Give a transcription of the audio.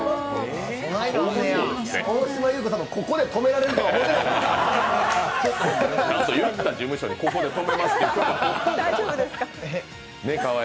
大島優子さんのここで止められるのがすごい。